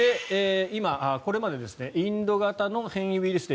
これまでインド型の変異ウイルスで